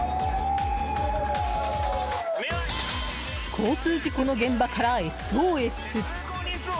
交通事故の現場からＳＯＳ。